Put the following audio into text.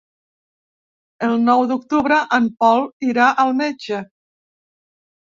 El nou d'octubre en Pol irà al metge.